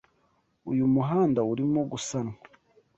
Uyu muhanda urimo gusanwa.